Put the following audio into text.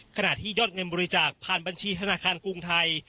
ขณะที่ยอดเงินบริจาคผ่านบัญชีธนาคารกรุงไทย